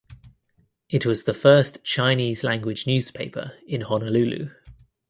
It was the first Chinese language newspaper in Honolulu.